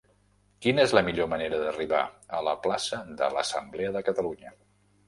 Quina és la millor manera d'arribar a la plaça de l'Assemblea de Catalunya?